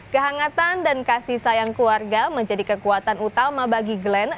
kehangatan dan kasih sayang keluarga menjadi kekuatan utama bagi glenn